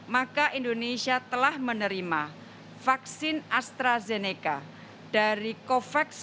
maka indonesia akan menerima vaksin yang telah diterima oleh pemerintah indonesia